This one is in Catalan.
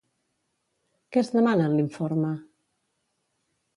Què es demana en l'informe?